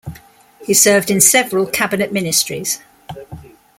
He served in several cabinet ministries.